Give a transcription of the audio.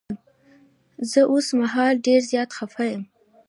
زه اوس مهال ډير زيات خفه یم.